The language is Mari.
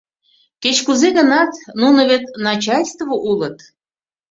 Кеч-кузе гынат, нуно вет начальстве улыт.